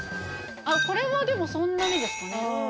あっこれはでもそんなにですかね